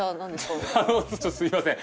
すいません。